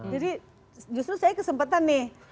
jadi justru saya kesempatan nih